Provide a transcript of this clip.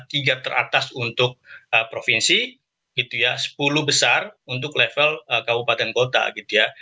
tiga teratas untuk provinsi gitu ya sepuluh besar untuk level kabupaten kota gitu ya